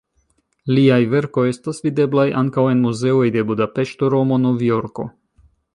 Liaj verkoj estas videblaj ankaŭ en muzeoj de Budapeŝto, Romo, Novjorko.